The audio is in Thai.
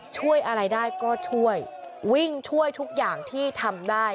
ช่วยอะไรได้ก็ช่วยวิ่งช่วยทุกอย่างที่ทำได้